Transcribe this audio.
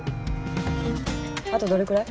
あとどれくらい？